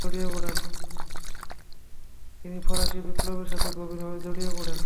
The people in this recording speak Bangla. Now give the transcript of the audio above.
তিনি ফরাসি বিপ্লবের সাথে গভীরভাবে জড়িয়ে পড়েন।